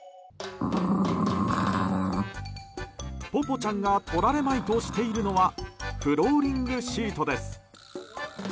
ポポちゃんが取られまいとしているのはフローリングシートです。